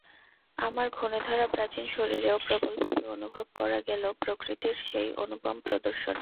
আমার ঘুণেধরা প্রাচীন শরীরেও প্রবলভাবে অনুভব করা গেল প্রকৃতির সেই অনুপম প্রদর্শনী।